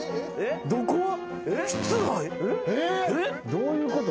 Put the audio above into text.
どういうこと？